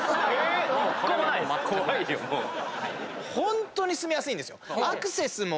ホントに住みやすいんですよ。